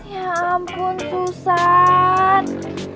ya ampun susah